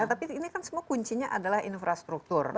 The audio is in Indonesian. tapi ini kan semua kuncinya adalah infrastruktur